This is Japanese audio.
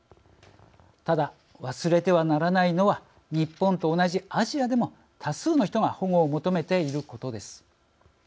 ただ、忘れてはならないのは日本と同じアジアでも多数の人が保護を求めていることです。